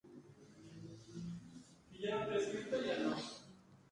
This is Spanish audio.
Graham fue declarada no culpable por el tribunal.